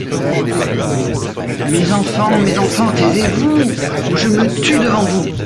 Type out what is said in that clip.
Mes enfants, mes enfants, taisez-vous, ou je me tue devant vous.